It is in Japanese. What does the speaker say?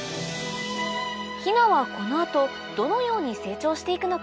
ヒナはこの後どのように成長していくのか？